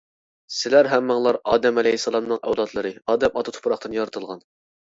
سىلەر ھەممىڭلار ئادەم ئەلەيھىسسالامنىڭ ئەۋلادلىرى، ئادەم ئاتا تۇپراقتىن يارىتىلغان.